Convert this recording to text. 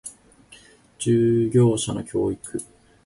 従業者の教育